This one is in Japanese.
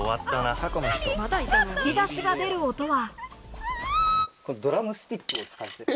吹き出しが出る音は。